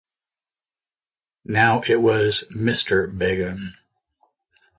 Now it was "Mister Begum."